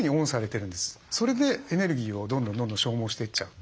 それでエネルギーをどんどんどんどん消耗していっちゃう。